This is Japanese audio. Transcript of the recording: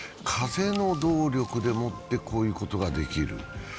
風の動力でもってこういうことができる。